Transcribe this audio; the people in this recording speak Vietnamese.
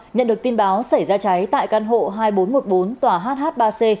nhận được tin báo xảy ra cháy tại căn hộ hai nghìn bốn trăm một mươi bốn tòa hh ba c